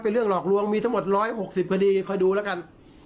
เป็นเรื่องหลอกลวงมีทั้งหมดร้อยหกสิบคดีคอยดูแล้วกัน